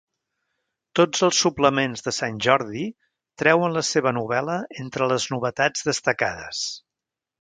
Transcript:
Tots els suplements de Sant Jordi treuen la seva novel·la entre les novetats destacades.